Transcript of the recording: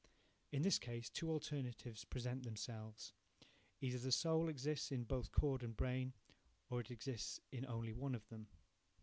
In this case, two alternatives present themselves,–either the soul exists in both cord and brain, or it exists in only one of them.